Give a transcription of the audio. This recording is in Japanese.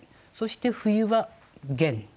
そして冬は玄。